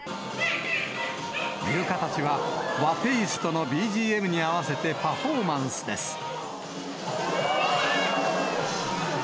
イルカたちは、和テイストのＢＧＭに合わせてパフォーマンスです。